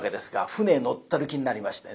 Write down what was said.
船に乗ってる気になりましてね。